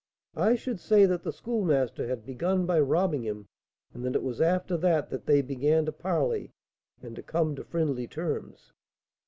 I should say that the Schoolmaster had begun by robbing him, and that it was after that that they began to parley, and to come to friendly terms."